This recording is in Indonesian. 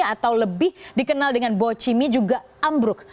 atau lebih dikenal dengan boci mi juga ambruk